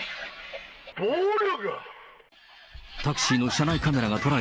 暴力？